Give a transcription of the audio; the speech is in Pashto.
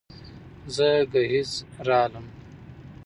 زه ګهيځ رالمه